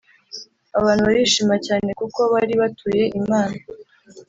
Abantu barishima cyane kuko bari batuye imana